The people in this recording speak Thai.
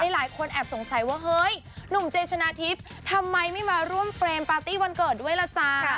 หลายคนแอบสงสัยว่าเฮ้ยหนุ่มเจชนะทิพย์ทำไมไม่มาร่วมเฟรมปาร์ตี้วันเกิดด้วยล่ะจ๊ะ